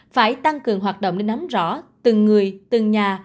phải tăng cường hoạt động để nắm rõ từng người từng nhà